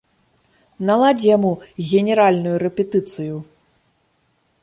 Наладзь яму генеральную рэпетыцыю.